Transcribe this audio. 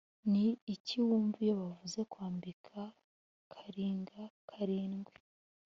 ni iki wumva iyo bavuze kwambika karinga karindwi’